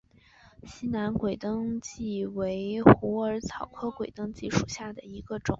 西南鬼灯檠为虎耳草科鬼灯檠属下的一个种。